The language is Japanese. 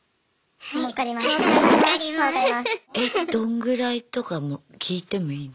えどんぐらいとかも聞いてもいいの？